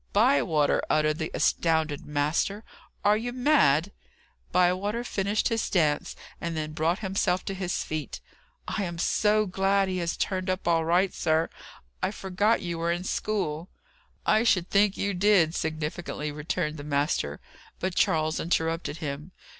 "Bywater!" uttered the astounded master. "Are you mad?" Bywater finished his dance, and then brought himself to his feet. "I am so glad he has turned up all right, sir. I forgot you were in school." "I should think you did," significantly returned the master. But Charles interrupted him.